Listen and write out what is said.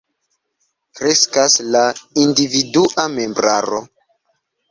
Kreskas la individua membraro.